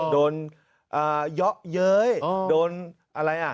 เยาะเย้ยโดนอะไรอ่ะ